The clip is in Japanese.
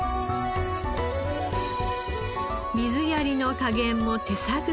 水やりの加減も手探り。